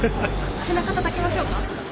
背中たたきましょうか。